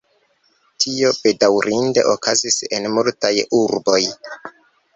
Tio bedaŭrinde okazis en multaj urboj.